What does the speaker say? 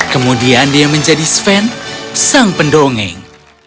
kemudian dia menjadi sven sang pendongeng